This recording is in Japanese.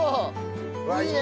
いいね！